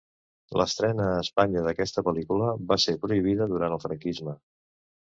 L'estrena a Espanya d'aquesta pel·lícula va ser prohibida durant el Franquisme.